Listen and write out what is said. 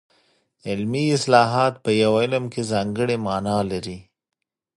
علمي اصطلاحات په یو علم کې ځانګړې مانا لري